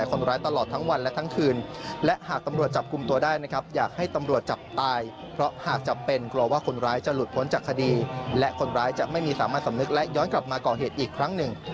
กลัวว่าคุณร้ายจะหลุดพ้นจากคดีและคนร้ายจะนิสามความสำนึกและย้อนกลับมาก่อเหตุอีกครั้งหนึ่ง